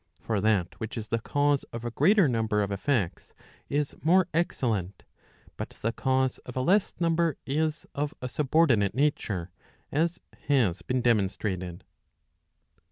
For that which is the cause of a greater number of effects is more excellent; but the cause of a leSs number is of a subordi¬ nate nature, as has been demonstrated.